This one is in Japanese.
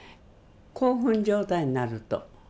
興奮状態になると。